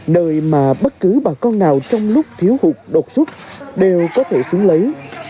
nơi mà bất cứ bà con nào trong lúc thiếu hụt đột xuất đều có thể xuống lấy